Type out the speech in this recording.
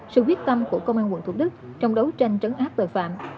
sự quyết tâm của công an quận thủ đức trong đấu tranh trấn áp tội phạm